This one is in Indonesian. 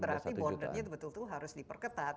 berarti bordernya betul betul harus diperketat